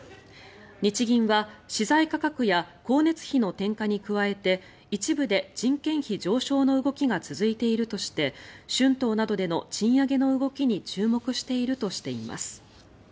日銀は、資材価格や光熱費の転嫁に加えて一部で人件費上昇の動きが続いているとして春闘などでの賃上げの動きに注目しているといいます。